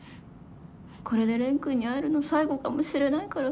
これで蓮くんに会えるの最後かもしれないからさ。